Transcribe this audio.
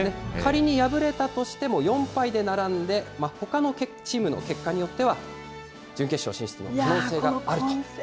仮に敗れたとしても、４敗で並んで、ほかのチームの結果については、準決勝進出の可能性があると。